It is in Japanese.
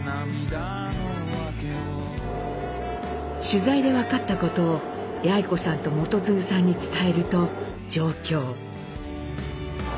取材で分かったことを八詠子さんと基次さんに伝えると上京。